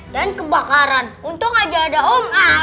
dan kebakaran untung aja ada om a